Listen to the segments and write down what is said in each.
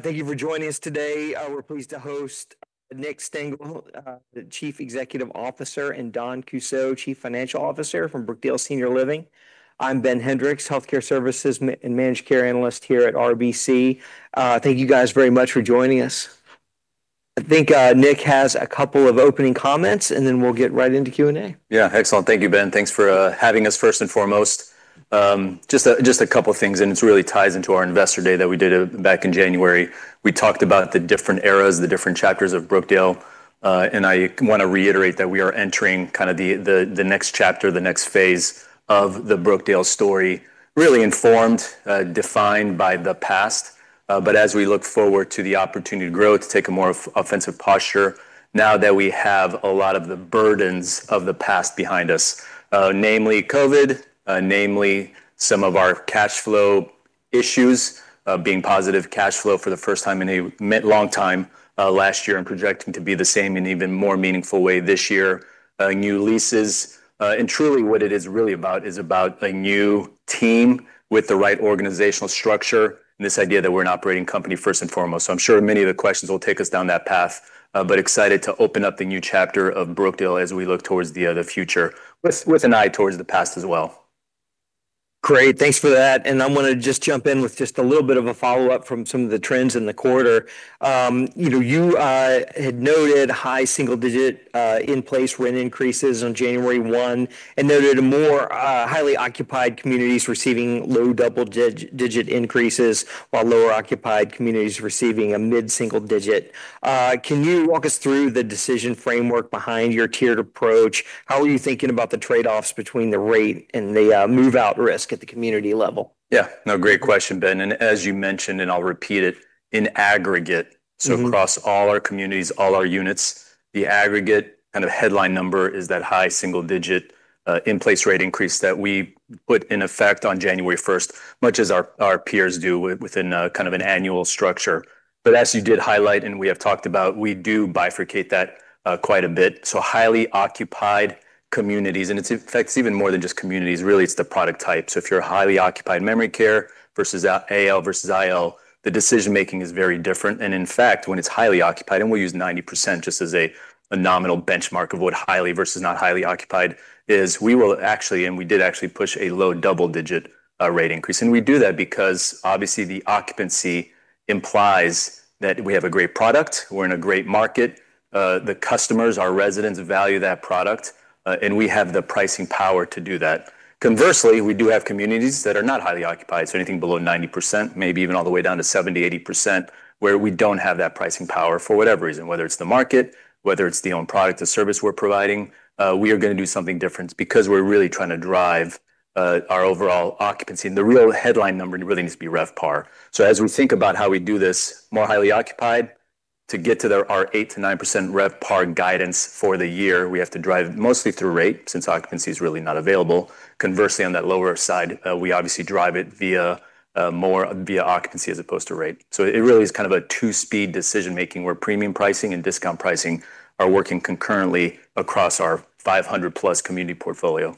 Thank you for joining us today. We're pleased to host Nick Stengle, the Chief Executive Officer, and Dawn Kussow, Chief Financial Officer from Brookdale Senior Living. I'm Ben Hendrix, Healthcare Services and Managed Care Analyst here at RBC. Thank you guys very much for joining us. I think Nick has a couple of opening comments, and then we'll get right into Q&A. Excellent. Thank you, Ben. Thanks for having us first and foremost. Just a couple things, this really ties into our Investor Day that we did back in January. We talked about the different eras, the different chapters of Brookdale. I wanna reiterate that we are entering kinda the next chapter, the next phase of the Brookdale story, really informed, defined by the past. As we look forward to the opportunity to grow, to take a more offensive posture now that we have a lot of the burdens of the past behind us, namely COVID, namely some of our cashflow issues, being positive cashflow for the first time in a long time, last year and projecting to be the same in even more meaningful way this year. New leases. Truly, what it is really about is about a new team with the right organizational structure, and this idea that we're an operating company, first and foremost. I'm sure many of the questions will take us down that path. But excited to open up the new chapter of Brookdale as we look towards the future with an eye towards the past as well. Great. Thanks for that. I wanna just jump in with just a little bit of a follow-up from some of the trends in the quarter. you know, you had noted high single-digit in-place rent increases on January 1, and noted more highly occupied communities receiving low double-digit increases, while lower occupied communities receiving a mid-single-digit. Can you walk us through the decision framework behind your tiered approach? How are you thinking about the trade-offs between the rate and the move out risk at the community level? Yeah. No, great question, Ben. As you mentioned, and I'll repeat it. In aggregate, across all our communities, all our units, the aggregate and headline number is that high single-digit in-place rate increase that we put in effect on January 1st, much as our peers do within a kind of an annual structure. As you did highlight, and we have talked about, we do bifurcate that quite a bit. Highly occupied communities, and it affects even more than just communities. Really, it's the product type. If you're a highly occupied memory care versus AL versus IL, the decision-making is very different. In fact, when it's highly occupied, and we'll use 90% just as a nominal benchmark of what highly versus not highly occupied is, we will actually, and we did actually push a low double-digit rate increase. We do that because obviously the occupancy implies that we have a great product, we're in a great market. The customers, our residents value that product, and we have the pricing power to do that. Conversely, we do have communities that are not highly occupied, so anything below 90%, maybe even all the way down to 70%, 80%, where we don't have that pricing power for whatever reason, whether it's the market, whether it's the own product or service we're providing. We are gonna do something different because we're really trying to drive our overall occupancy. The real headline number really needs to be RevPAR. As we think about how we do this more highly occupied, to get to our 8%-9% RevPAR guidance for the year, we have to drive mostly through rate, since occupancy is really not available. Conversely, on that lower side, we obviously drive it via more via occupancy as opposed to rate. It really is kind of a two-speed decision-making where premium pricing and discount pricing are working concurrently across our 500+ community portfolio.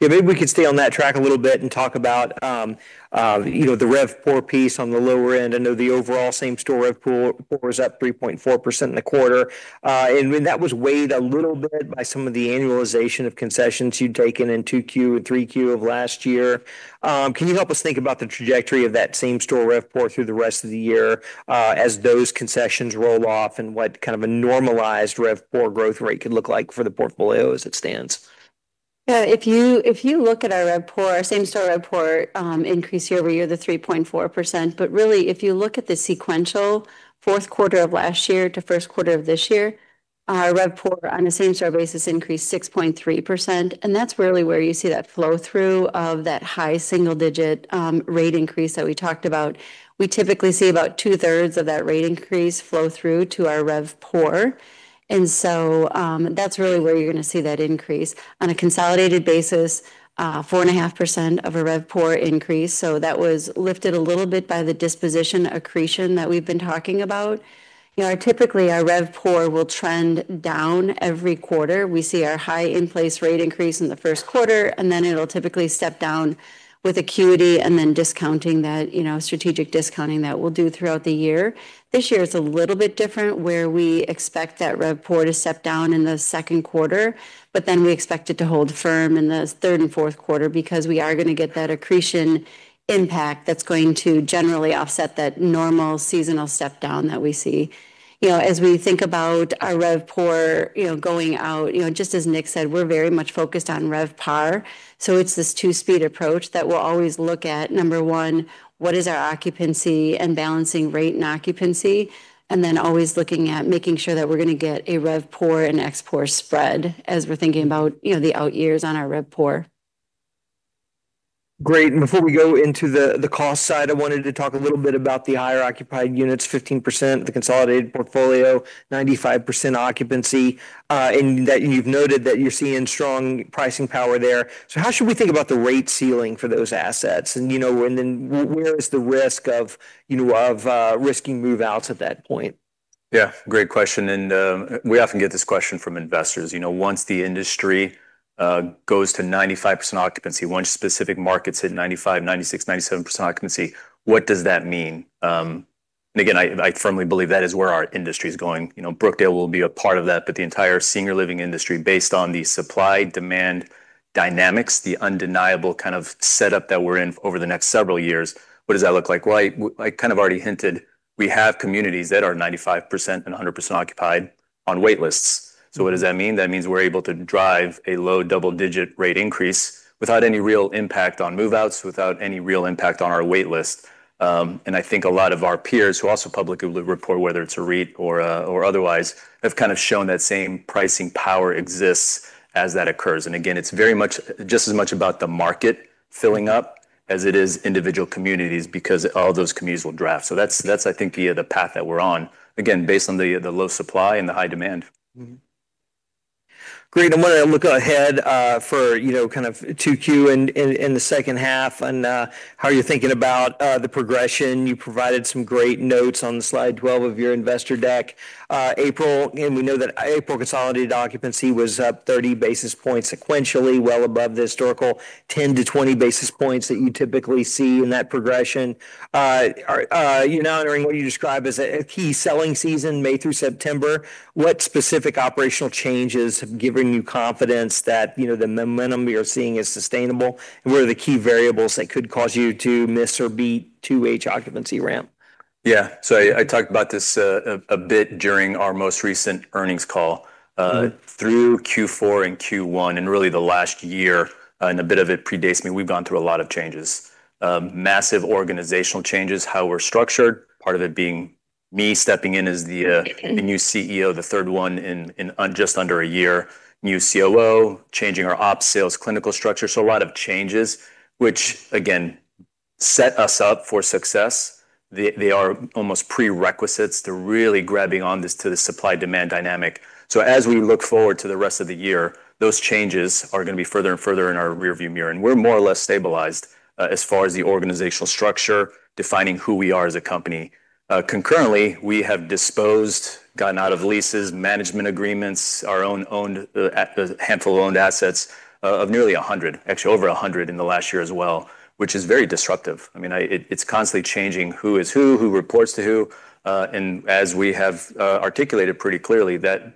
Yeah. Maybe we could stay on that track a little bit and talk about, you know, the RevPOR piece on the lower end. I know the overall same store RevPOR was up 3.4% in the quarter. When that was weighed a little bit by some of the annualization of concessions you'd taken in 2Q and 3Q of last year. Can you help us think about the trajectory of that same store RevPOR through the rest of the year, as those concessions roll off, and what kind of a normalized RevPOR growth rate could look like for the portfolio as it stands? Yeah. If you look at our RevPOR, our same store RevPOR, increase year-over-year, the 3.4%. Really, if you look at the sequential fourth quarter of last year to first quarter of this year, our RevPOR on a same store basis increased 6.3%, and that's really where you see that flow through of that high single-digit rate increase that we talked about. We typically see about 2/3 of that rate increase flow through to our RevPOR. That's really where you're gonna see that increase. On a consolidated basis, 4.5% of a RevPOR increase, so that was lifted a little bit by the disposition accretion that we've been talking about. You know, typically, our RevPOR will trend down every quarter. We see our high in-place rate increase in the first quarter, then it'll typically step down with acuity and then discounting that, you know, strategic discounting that we'll do throughout the year. This year is a little bit different, where we expect that RevPOR to step down in the second quarter, then we expect it to hold firm in the third and fourth quarter because we are gonna get that accretion impact that's going to generally offset that normal seasonal step down that we see. You know, as we think about our RevPOR, you know, going out, you know, just as Nick said, we're very much focused on RevPAR. It's this two-speed approach that we'll always look at, number one, what is our occupancy and balancing rate and occupancy, and then always looking at making sure that we're gonna get a RevPOR and ExPOR spread as we're thinking about, you know, the out years on our RevPOR. Great. Before we go into the cost side, I wanted to talk a little bit about the higher occupied units, 15%, the consolidated portfolio, 95% occupancy, and that you've noted that you're seeing strong pricing power there. How should we think about the rate ceiling for those assets? You know, and then where is the risk of, you know, of risky move-outs at that point? Yeah, great question. We often get this question from investors. You know, once the industry goes to 95% occupancy, once specific markets hit 95%, 96%, 97% occupancy, what does that mean? Again, I firmly believe that is where our industry is going. You know, Brookdale will be a part of that, but the entire senior living industry, based on the supply-demand dynamics, the undeniable kind of setup that we're in over the next several years, what does that look like? Well, I kind of already hinted, we have communities that are 95% and 100% occupied on wait lists. What does that mean? That means we're able to drive a low double-digit rate increase without any real impact on move-outs, without any real impact on our wait list. I think a lot of our peers who also publicly report, whether it's a REIT or otherwise, have kind of shown that same pricing power exists as that occurs. Again, it's very much just as much about the market filling up as it is individual communities because all those communities will draft. That's, that's I think the path that we're on, again, based on the low supply and the high demand. Great. I'm gonna look ahead for, you know, kind of 2Q in the second half and how you're thinking about the progression. You provided some great notes on slide 12 of your investor deck. April, we know that April consolidated occupancy was up 30 basis points sequentially, well above the historical 10-20 basis points that you typically see in that progression. You know, entering what you describe as a key selling season, May through September. What specific operational changes have given you confidence that, you know, the momentum we are seeing is sustainable? What are the key variables that could cause you to miss or beat 2H occupancy ramp? Yeah. I talked about this a bit during our most recent earnings call. Through Q4 and Q1, really the last year, and a bit of it predates me, we've gone through a lot of changes. Massive organizational changes, how we're structured, part of it being me stepping in as the new CEO, the third one in, just under a year. New COO, changing our ops, sales, clinical structure. A lot of changes, which again, set us up for success. They are almost prerequisites. They're really grabbing on this to the supply-demand dynamic. As we look forward to the rest of the year, those changes are gonna be further and further in our rear view mirror. We're more or less stabilized, as far as the organizational structure, defining who we are as a company. Concurrently, we have disposed, gotten out of leases, management agreements, our own owned, a handful of owned assets, of nearly 100, actually over 100 in the last year as well, which is very disruptive. I mean, it's constantly changing who is who reports to who. As we have articulated pretty clearly, that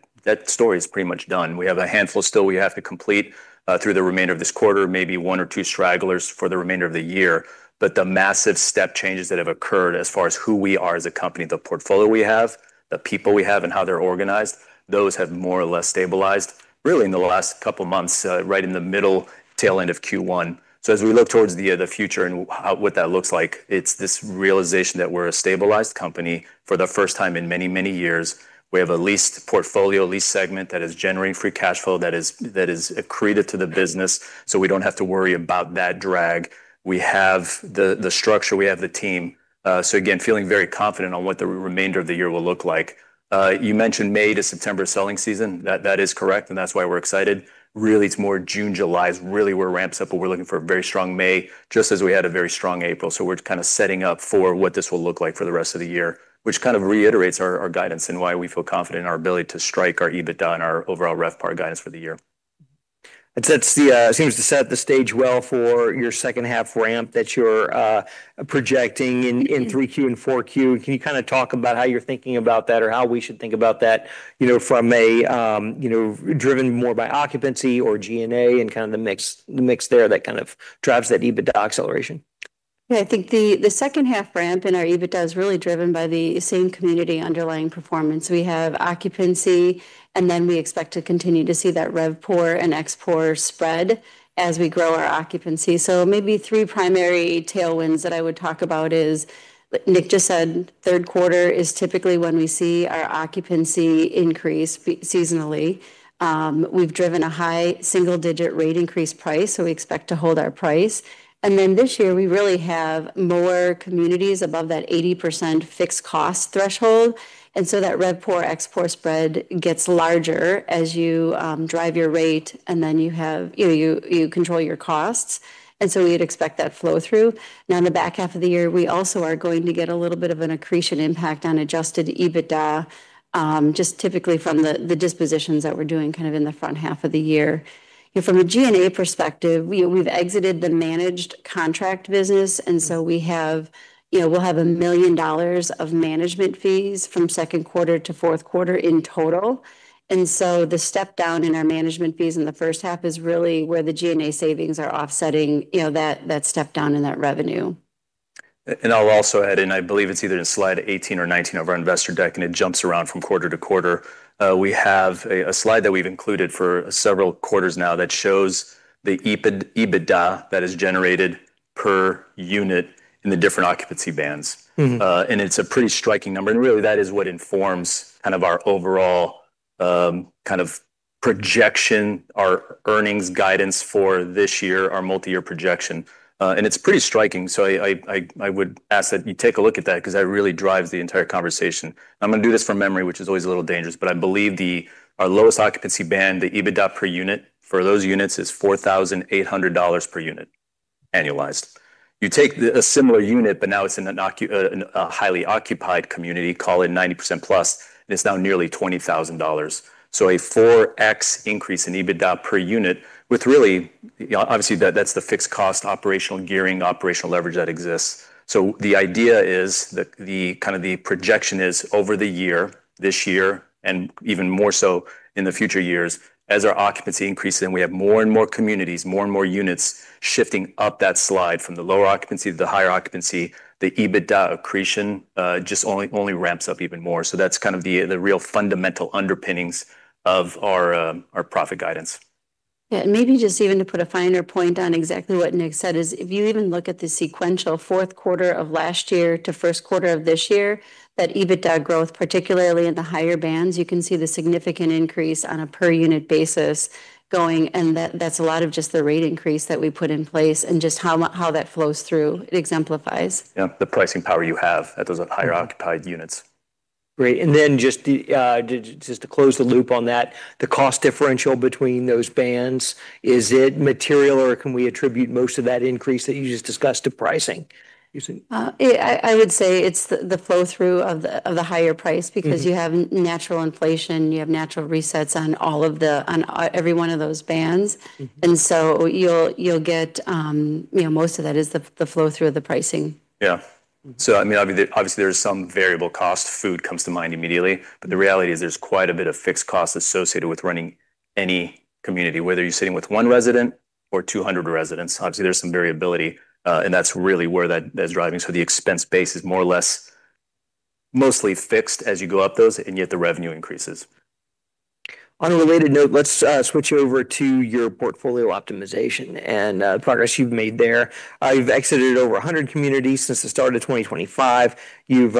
story is pretty much done. We have a handful still we have to complete through the remainder of this quarter, maybe one or two stragglers for the remainder of the year. The massive step changes that have occurred as far as who we are as a company, the portfolio we have, the people we have, and how they're organized, those have more or less stabilized really in the last couple of months, right in the middle tail end of Q1. As we look towards the future and what that looks like, it's this realization that we're a stabilized company for the first time in many, many years. We have a leased portfolio, a lease segment that is generating free cash flow that is accreted to the business, so we don't have to worry about that drag. We have the structure, we have the team. Again, feeling very confident on what the remainder of the year will look like. You mentioned May to September selling season. That is correct, and that's why we're excited. Really, it's more June, July is really where it ramps up, but we're looking for a very strong May, just as we had a very strong April. We're kind of setting up for what this will look like for the rest of the year, which kind of reiterates our guidance and why we feel confident in our ability to strike our EBITDA and our overall RevPAR guidance for the year. Seems to set the stage well for your second half ramp that you're projecting in 3Q and 4Q. Can you kind of talk about how you're thinking about that or how we should think about that, you know, from a, you know, driven more by occupancy or G&A and kind of the mix there that kind of drives that EBITDA acceleration? Yeah. I think the second half ramp in our EBITDA is really driven by the same community underlying performance. We have occupancy, we expect to continue to see that RevPOR and ExPOR spread as we grow our occupancy. Maybe three primary tailwinds that I would talk about is, like Nick just said, third quarter is typically when we see our occupancy increase seasonally. We've driven a high single-digit rate increase price, we expect to hold our price. This year, we really have more communities above that 80% fixed cost threshold, that RevPOR, ExPOR spread gets larger as you drive your rate, you have You know, you control your costs. We'd expect that flow through. In the back half of the year, we also are going to get a little bit of an accretion impact on adjusted EBITDA, just typically from the dispositions that we're doing kind of in the front half of the year. You know, from a G&A perspective, you know, we've exited the managed contract business, and so we have, you know, we'll have $1 million of management fees from second quarter to fourth quarter in total. The step down in our management fees in the first half is really where the G&A savings are offsetting, you know, that step down in that revenue. I'll also add in, I believe it's either in slide 18 or 19 of our investor deck, and it jumps around from quarter-to-quarter. We have a slide that we've included for several quarters now that shows the EBITDA that is generated per unit in the different occupancy bands. It's a pretty striking number, and really that is what informs kind of our overall projection, our earnings guidance for this year, our multi-year projection. It's pretty striking. I would ask that you take a look at that 'cause that really drives the entire conversation. I'm gonna do this from memory, which is always a little dangerous, but I believe our lowest occupancy band, the EBITDA per unit for those units is $4,800 per unit annualized. You take a similar unit, but now it's in a highly occupied community, call it 90%+, and it's now nearly $20,000. A 4x increase in EBITDA per unit with really, you know, obviously that's the fixed cost operational gearing, operational leverage that exists. The idea is that the kind of the projection is over the year, this year, and even more so in the future years, as our occupancy increases and we have more and more communities, more and more units shifting up that slide from the lower occupancy to the higher occupancy, the EBITDA accretion, just only ramps up even more. That's kind of the real fundamental underpinnings of our profit guidance. Yeah. Maybe just even to put a finer point on exactly what Nick Stengle said is if you even look at the sequential fourth quarter of last year to first quarter of this year, that EBITDA growth, particularly in the higher bands, you can see the significant increase on a per unit basis going. That's a lot of just the rate increase that we put in place and just how that flows through. It exemplifies. Yeah. The pricing power you have at those higher occupied units. Great. Just the just to close the loop on that, the cost differential between those bands, is it material, or can we attribute most of that increase that you just discussed to pricing, you think? Yeah. I would say it's the flow through of the higher price because you have natural inflation, you have natural resets on all of the every one of those bands. You'll get, you know, most of that is the flow through of the pricing. Yeah. I mean, obviously there is some variable cost. Food comes to mind immediately. The reality is there's quite a bit of fixed cost associated with running any community, whether you're sitting with one resident or 200 residents. Obviously, there's some variability, and that's really where that is driving. The expense base is more or less mostly fixed as you go up those, and yet the revenue increases. On a related note, let's switch over to your portfolio optimization and progress you've made there. You've exited over 100 communities since the start of 2025. You've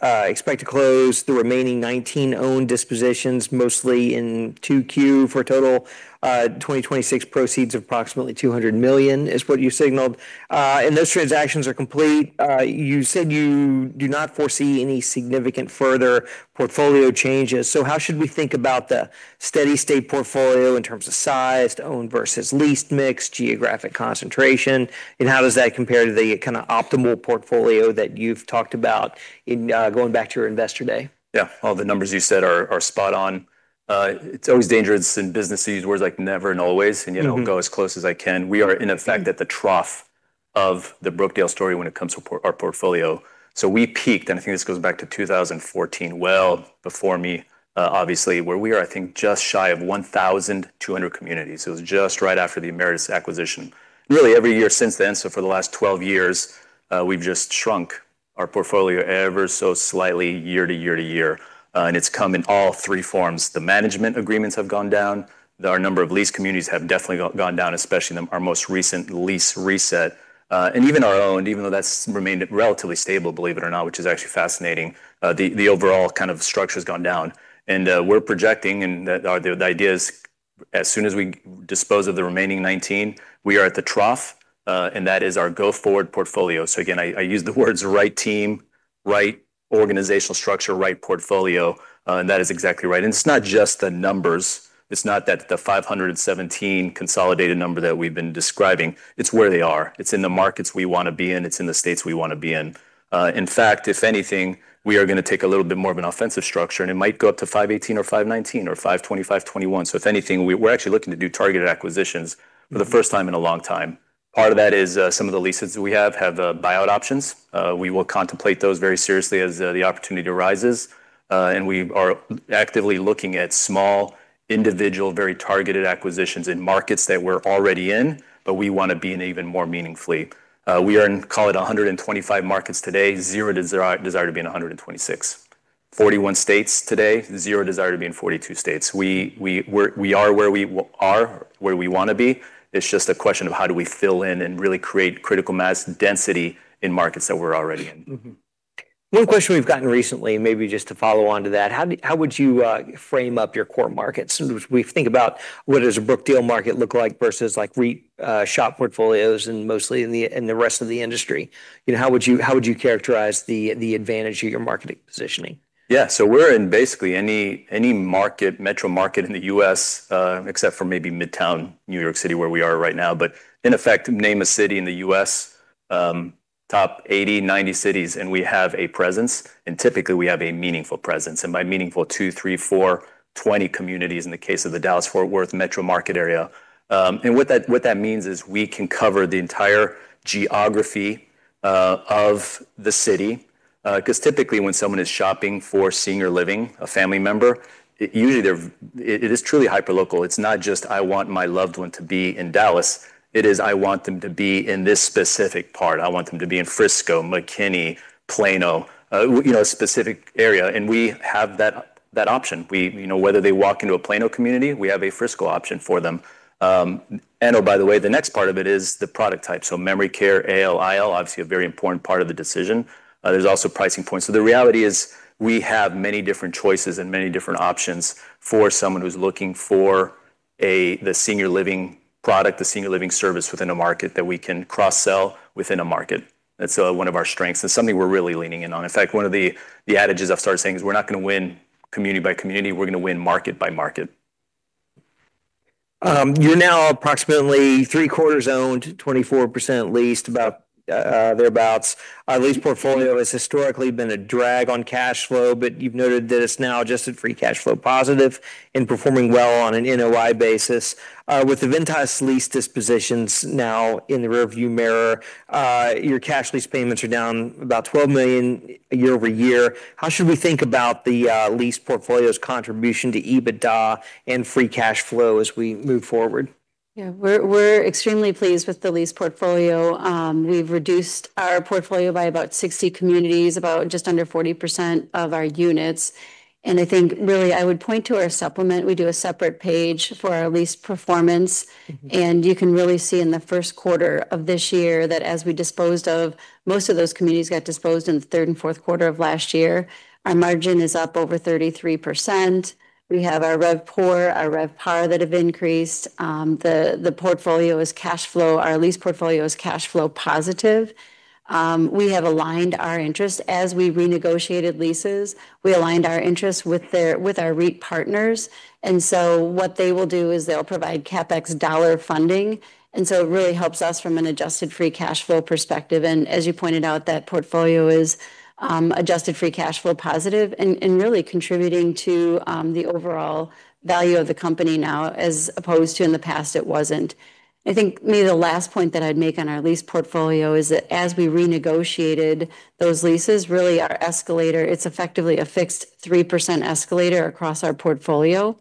expect to close the remaining 19 owned dispositions, mostly in 2Q for a total 2026 proceeds of approximately $200 million, is what you signaled. And those transactions are complete. You said you do not foresee any significant further portfolio changes. How should we think about the steady-state portfolio in terms of size to owned versus leased mix, geographic concentration, and how does that compare to the kinda optimal portfolio that you've talked about in going back to your Investor Day? Yeah. All the numbers you said are spot on. It's always dangerous in businesses words like never and always. I'll go as close as I can. We are in effect at the trough of the Brookdale story when it comes to our portfolio. We peaked, and I think this goes back to 2014, well before me, obviously, where we are, I think just shy of 1,200 communities. It was just right after the Emeritus acquisition. Really every year since then, for the last 12 years, we've just shrunk our portfolio ever so slightly year to year to year. It's come in all three forms. The management agreements have gone down. Our number of leased communities have definitely gone down, especially in our most recent lease reset. Even our owned, even though that's remained relatively stable, believe it or not, which is actually fascinating. The overall kind of structure's gone down. We're projecting and the idea is as soon as we dispose of the remaining 19, we are at the trough, and that is our go-forward portfolio. Again, I use the words right team, right organizational structure, right portfolio, and that is exactly right. It's not just the numbers. It's not that the 517 consolidated number that we've been describing. It's where they are. It's in the markets we wanna be in. It's in the states we wanna be in. In fact, if anything, we are gonna take a little bit more of an offensive structure, and it might go up to 518 or 519 or 520, 521. If anything, we're actually looking to do targeted acquisitions for the first time in a long time. Part of that is, some of the leases that we have buyout options. We will contemplate those very seriously as the opportunity arises. We are actively looking at small, individual, very targeted acquisitions in markets that we're already in, but we wanna be in even more meaningfully. We are in, call it, 125 markets today. Zero desire to be in 126. 41 states today. Zero desire to be in 42 states. We are where we are, where we wanna be. It's just a question of how do we fill in and really create critical mass density in markets that we're already in. Mm-hmm. One question we've gotten recently, maybe just to follow on to that, how would you frame up your core markets? We think about what does a Brookdale market look like versus like SHOP portfolios and mostly in the rest of the industry. You know, how would you characterize the advantage of your marketing positioning? Yeah. We're in basically any market, metro market in the U.S., except for maybe Midtown, New York City, where we are right now. In effect, name a city in the U.S., top 80, 90 cities, and we have a presence, and typically we have a meaningful presence. By meaningful, 2, 3, 4, 20 communities in the case of the Dallas-Fort Worth metro market area. What that means is we can cover the entire geography of the city. Because typically when someone is shopping for senior living, a family member, it is truly hyperlocal. It's not just I want my loved one to be in Dallas. It is I want them to be in this specific part. I want them to be in Frisco, McKinney, Plano, you know, a specific area. We have that option. We, you know, whether they walk into a Plano community, we have a Frisco option for them. Oh, by the way, the next part of it is the product type. Memory care, AL, IL, obviously a very important part of the decision. There's also pricing points. The reality is we have many different choices and many different options for someone who's looking for the senior living product, the senior living service within a market that we can cross-sell within a market. That's one of our strengths and something we're really leaning in on. In fact, one of the adages I've started saying is we're not gonna win community by community. We're gonna win market by market. You're now approximately 3/4 owned, 24% leased, about thereabouts. Our lease portfolio has historically been a drag on cashflow, but you've noted that it's now adjusted free cash flow positive and performing well on an NOI basis. With the Ventas lease dispositions now in the rear view mirror, your cash lease payments are down about $20 million year-over-year. How should we think about the lease portfolio's contribution to EBITDA and free cash flow as we move forward? Yeah. We're extremely pleased with the lease portfolio. We've reduced our portfolio by about 60 communities, about just under 40% of our units. I think really I would point to our supplement. We do a separate page for our lease performance. You can really see in the first quarter of this year that as we disposed of, most of those communities got disposed in the third and fourth quarter of last year. Our margin is up over 33%. We have our RevPOR, our RevPAR that have increased. Our lease portfolio is cash flow positive. We have aligned our interest. As we renegotiated leases, we aligned our interests with our REIT partners. What they will do is they'll provide CapEx dollar funding, and so it really helps us from an adjusted free cash flow perspective. As you pointed out, that portfolio is adjusted free cash flow positive and really contributing to the overall value of the company now, as opposed to in the past it wasn't. I think maybe the last point that I'd make on our lease portfolio is that as we renegotiated those leases, really our escalator, it's effectively a fixed 3% escalator across our portfolio.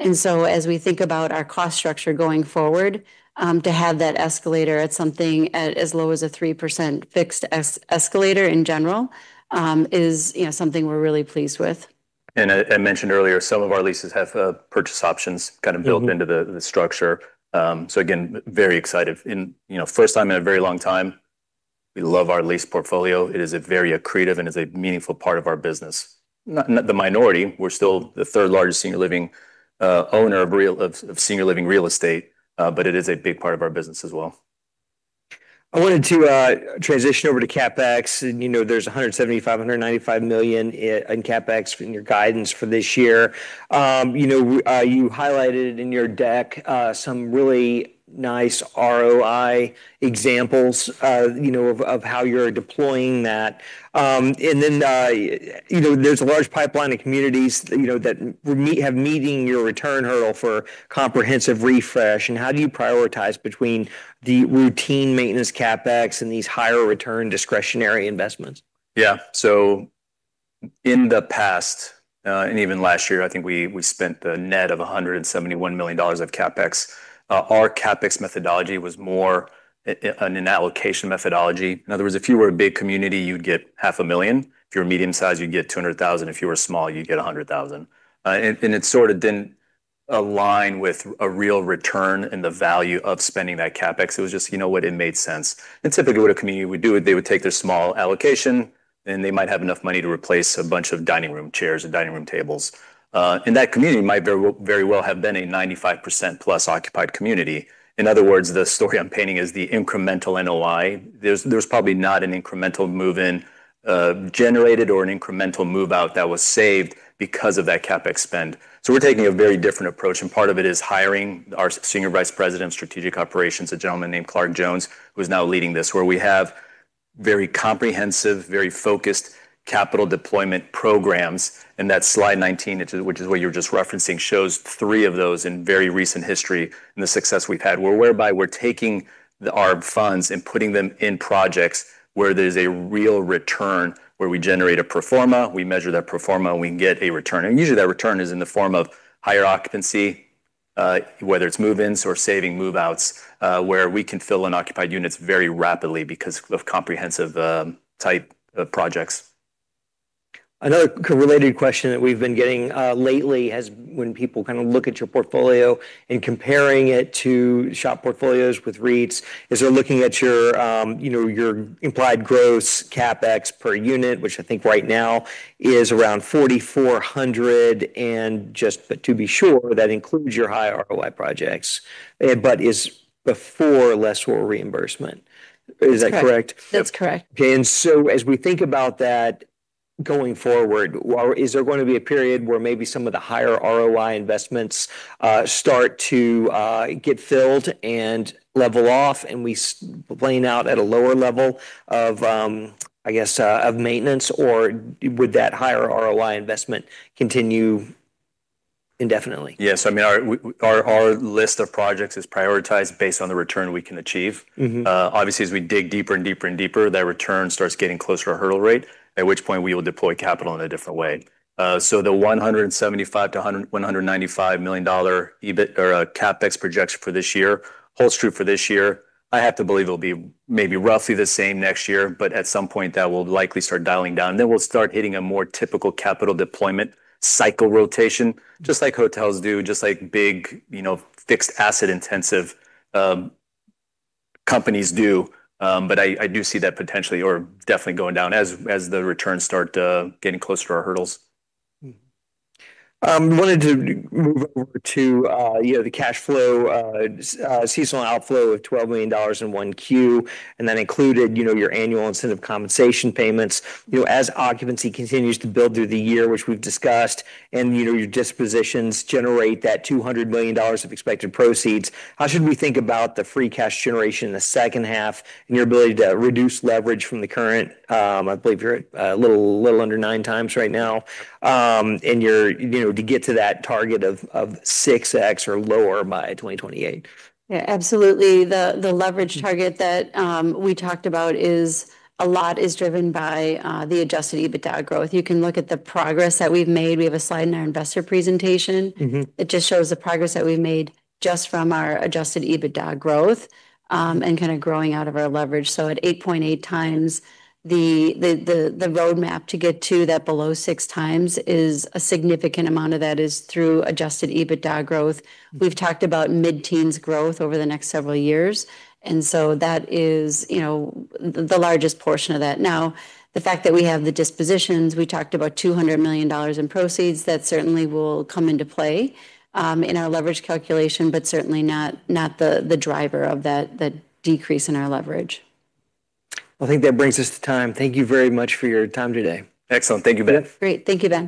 As we think about our cost structure going forward, to have that escalator at something, at as low as a 3% fixed escalator in general, is, you know, something we're really pleased with. I mentioned earlier, some of our leases have purchase options. Kinda built into the structure. Again, very excited. You know, first time in a very long time, we love our lease portfolio. It is a very accretive and is a meaningful part of our business. Not the minority. We're still the third largest senior living owner of real of senior living real estate, but it is a big part of our business as well. I wanted to transition over to CapEx. You know, there's $175 million-$195 million in CapEx in your guidance for this year. You know, you highlighted in your deck some really nice ROI examples, you know, of how you're deploying that. You know, there's a large pipeline of communities, you know, that we're meeting your return hurdle for comprehensive refresh. How do you prioritize between the routine maintenance CapEx and these higher return discretionary investments? In the past, and even last year, I think we spent a net of $171 million of CapEx. Our CapEx methodology was more an allocation methodology. In other words, if you were a big community, you'd get $500,000. If you're a medium size, you'd get $200,000. If you were small, you'd get $100,000. It sort of didn't align with a real return and the value of spending that CapEx. It was just, you know what, it made sense. Typically what a community would do is they would take their small allocation, and they might have enough money to replace a bunch of dining room chairs and dining room tables. That community might very well have been a 95%+ occupied community. In other words, the story I'm painting is the incremental NOI. There's probably not an incremental move-in generated or an incremental move-out that was saved because of that CapEx spend. We're taking a very different approach, and part of it is hiring our Senior Vice President of Strategic Operations, a gentleman named Clark Jones, who's now leading this, where we have very comprehensive, very focused capital deployment programs. That slide 19, which is what you were just referencing, shows three of those in very recent history and the success we've had, whereby we're taking our funds and putting them in projects where there's a real return, where we generate a pro forma, we measure that pro forma, and we can get a return. Usually that return is in the form of higher occupancy, whether it's move-ins or saving move-outs, where we can fill unoccupied units very rapidly because of comprehensive type of projects. Another correlated question that we've been getting lately is when people kind of look at your portfolio and comparing it to SHOP portfolios with REITs, is they're looking at your, you know, your implied gross CapEx per unit, which I think right now is around $4,400. Just to be sure, that includes your high ROI projects. But is before lessor reimbursement. Is that correct? Correct. That's correct. Okay. As we think about that going forward, is there going to be a period where maybe some of the higher ROI investments start to get filled and level off, and we plane out at a lower level of, I guess, of maintenance, or would that higher ROI investment continue indefinitely? Yes. I mean, our list of projects is prioritized based on the return we can achieve. Obviously, as we dig deeper and deeper and deeper, that return starts getting closer to our hurdle rate, at which point we will deploy capital in a different way. The $175 million-$195 million EBIT or CapEx projection for this year holds true for this year. I have to believe it'll be maybe roughly the same next year, at some point that will likely start dialing down. We'll start hitting a more typical capital deployment cycle rotation, just like hotels do, just like big, you know, fixed asset intensive companies do. I do see that potentially or definitely going down as the returns start getting closer to our hurdles. Wanted to move over to, you know, the cash flow, seasonal outflow of $12 million in 1Q, and that included, you know, your annual incentive compensation payments. You know, as occupancy continues to build through the year, which we've discussed, and, you know, your dispositions generate that $200 million of expected proceeds, how should we think about the free cash generation in the second half and your ability to reduce leverage from the current, I believe you're at a little under 9x right now. And your, you know, to get to that target of 6x or lower by 2028. Yeah, absolutely. The leverage target that we talked about is driven by the adjusted EBITDA growth. You can look at the progress that we've made. We have a slide in our investor presentation. It just shows the progress that we've made just from our adjusted EBITDA growth, and kind of growing out of our leverage. At 8.8x, the roadmap to get to that below 6x is, a significant amount of that is through adjusted EBITDA growth. We've talked about mid-teens growth over the next several years, that is, you know, the largest portion of that. The fact that we have the dispositions, we talked about $200 million in proceeds. That certainly will come into play in our leverage calculation, certainly not the driver of that decrease in our leverage. I think that brings us to time. Thank you very much for your time today. Excellent. Thank you, Ben. Yeah. Great. Thank you, Ben.